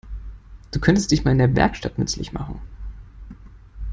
Du könntest dich mal in der Werkstatt nützlich machen.